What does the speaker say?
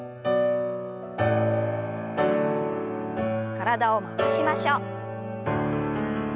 体を回しましょう。